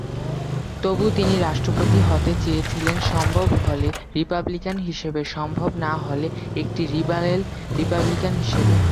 তবুও, তিনি রাষ্ট্রপতি হতে চেয়েছিলেন, সম্ভব হলে রিপাবলিকান হিসাবে, সম্ভব না হলে, একটি লিবারেল রিপাবলিকান হিসাবে।